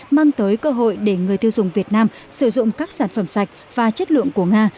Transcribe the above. mang tới cơ hội để người tiêu dùng việt nam sử dụng các sản phẩm sạch và chất lượng của nga